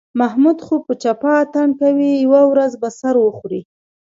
محمود خو په چپه اتڼ کوي، یوه ورځ به سر وخوري.